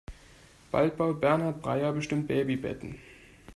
Bald baut Bernhard Breyer bestimmt Babybetten.